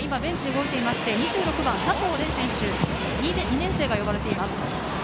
今、ベンチ動いていて、２６番の佐藤漣選手・２年生が呼ばれています。